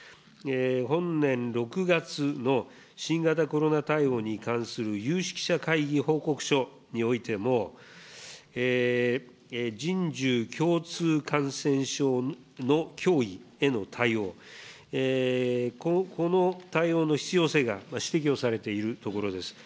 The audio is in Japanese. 本年６月の新型コロナ対応に関する有識者会議報告書においても、人獣共通感染症の脅威への対応、この対応の必要性が指摘をされているところです。